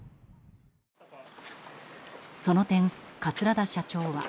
その点、桂田社長は。